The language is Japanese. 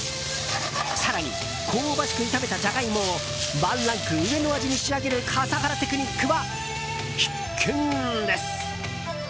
更に香ばしく炒めたジャガイモをワンランク上の味に仕上げる笠原テクニックは必見です。